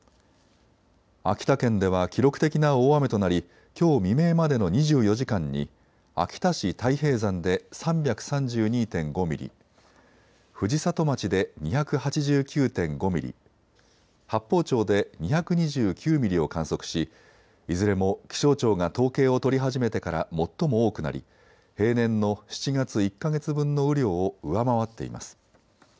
秋田県では記録的な大雨となりきょう未明までの２４時間に秋田市太平山で３３２．５ミリ、藤里町で２８９．５ミリ、八峰町で２２９ミリを観測しいずれも気象庁が統計を取り始めてから最も多くなり平年の７月１か月分の雨量を上回っています。